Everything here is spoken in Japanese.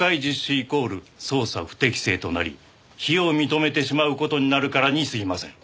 イコール捜査不適正となり非を認めてしまう事になるからに過ぎません。